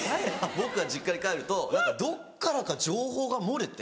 僕が実家に帰ると何かどっからか情報が漏れて。